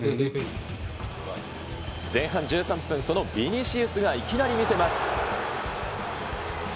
前半１３分、そのビニシウスがいきなり見せます。